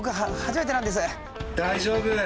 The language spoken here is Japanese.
大丈夫！